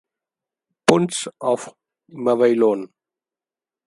Pons of Mevouillon